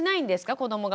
子どもが。